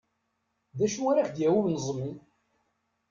D acu ara k-d-yawi uneẓmi?